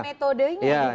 jadi kita tanya metodenya ya